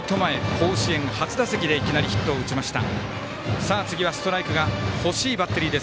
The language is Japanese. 甲子園初打席でいきなりヒットを打ちました。